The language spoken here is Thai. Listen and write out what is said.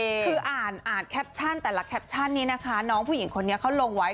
คืออ่านอ่านแคปชั่นแต่ละแคปชั่นนี้นะคะน้องผู้หญิงคนนี้เขาลงไว้